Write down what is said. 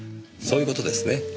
そういう事ですね。